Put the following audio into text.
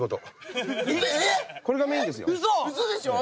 これがメインですよ。